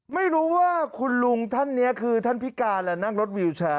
ไม่รู้ว่าคุณลุงท่านนี้คือท่านพิการและนั่งรถวิวแชร์